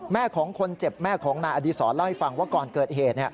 ของคนเจ็บแม่ของนายอดีศรเล่าให้ฟังว่าก่อนเกิดเหตุ